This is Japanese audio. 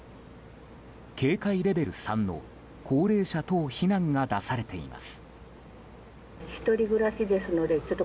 警戒レベル３の高齢者等避難が出されています。